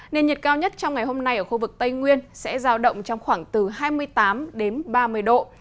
nền nhiệt cao nhất trong ngày hôm nay ở khu vực tây nguyên sẽ giao động trong khoảng từ hai mươi tám đến ba mươi độ